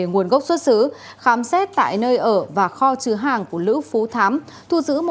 nguồn gốc xuất xứ khám xét tại nơi ở và kho chứa hàng của lữ phú thám